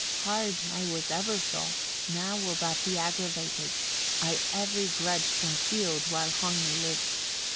Hard I was ever thought, now will that be aggravated. I every grudge concealed, while Hogni lived.